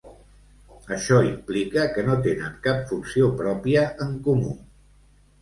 Això implica que no tenen cap funció pròpia en comú.